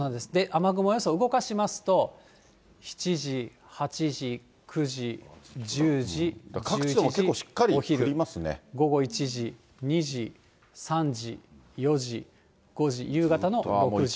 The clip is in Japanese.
雨雲予想を動かしますと、７時、８時、９時、１０時、１１時、各地とも結構、しっかり降り午後１時、２時、３時、４時、５時、夕方の６時。